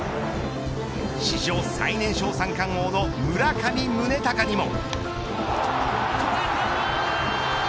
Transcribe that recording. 史上最年少三冠王の村上宗隆にも。